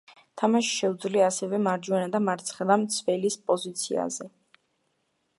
თამაში შეუძლია ასევე მარჯვენა და მარცხენა მცველის პოზიციაზე.